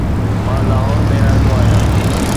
مان لاهور ۾ رهندو آهيان